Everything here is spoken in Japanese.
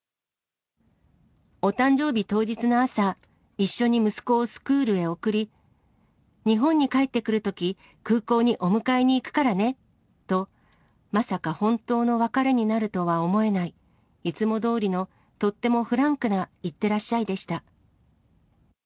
お誕生日当日の朝、一緒に息子をスクールへ送り、日本に帰ってくるとき、空港にお迎えに行くからねと、まさか本当の別れになるとは思えない、いつもどおりの、とってもフランクな、いってらっしゃいでした。